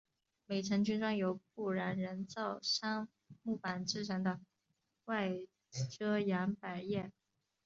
每层均装有不燃人造杉木板制成的外遮阳百叶。